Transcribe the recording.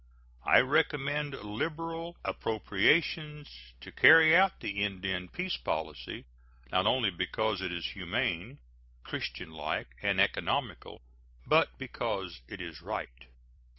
I recommend liberal appropriations to carry out the Indian peace policy, not only because it is humane, Christianlike, and economical, but because it is right.